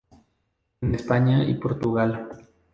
En España y Portugal.